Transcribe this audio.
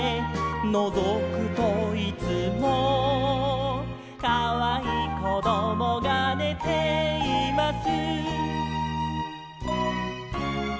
「のぞくといつも」「かわいいこどもがねています」